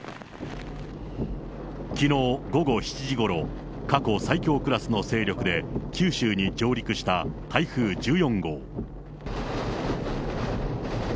きのう午後７時ごろ、過去最強クラスの勢力で、九州に上陸した台風１４号。